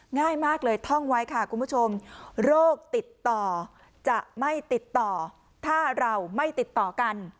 ง่ายมากเลยท่องไว้ค่ะคุณผู้ชมโรคติดต่อจะไม่ติดต่อถ้าเราไม่ติดต่อกัน